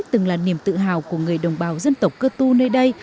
từng là niềm tự hào của người đồng bào dân tộc cơ tu nơi đây